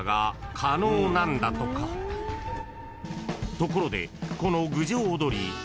［ところでこの郡上おどり］